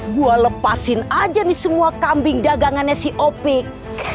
gue lepasin aja nih semua kambing dagangannya si opik